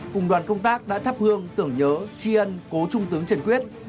cùng đoàn công tác đã thắp hương tưởng nhớ tri ân cố trung tướng trần quyết